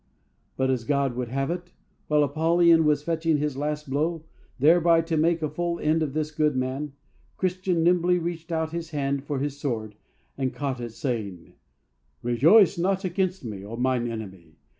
"But, as God would have it, while Apollyon was fetching his last blow, thereby to make a full end of this good man, Christian nimbly reached out his hand for his sword, and caught it, saying: 'Rejoice not against me, O mine enemy!